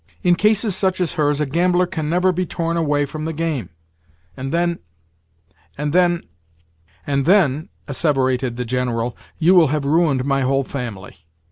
In cases such as hers a gambler can never be torn away from the game; and then—and then—" "And then," asseverated the General, "you will have ruined my whole family.